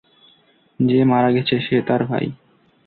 যে মারা গেছে সে তার ভাই।